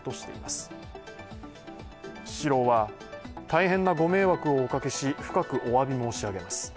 スシローは大変なご迷惑をおかけし、深くおわび申し上げます。